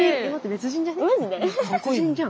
別人じゃん。